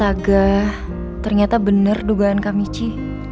astaga ternyata bener dugaan kamichi